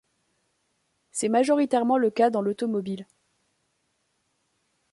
C'est majoritairement le cas dans l'automobile.